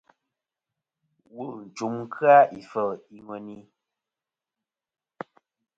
Wul ncum kɨ-a ifel i ŋweni.